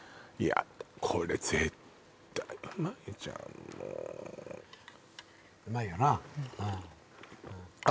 これ絶対うまいじゃんもううまいよなうんあ